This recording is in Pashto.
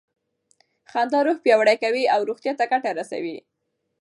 خندا روح پیاوړی کوي او روغتیا ته ګټه رسوي.